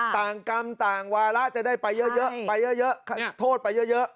ต่างกรรมต่างวาระจะได้ไปเยอะโทษไปเยอะ